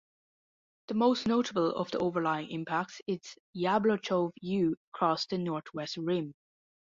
The most notable of the overlying impacts is Yablochkov U across the northwest rim.